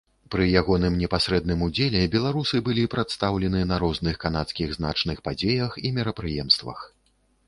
Пры ягоным непасрэдным удзеле беларусы былі прадстаўлены на розных канадскіх значных падзеях і мерапрыемствах.